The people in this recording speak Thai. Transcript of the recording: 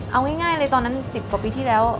เอาง่ายเลยตอนนั้น๑๐กว่าปีที่แล้ว